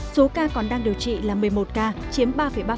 số ca còn đang điều trị là một mươi một ca chiếm ba ba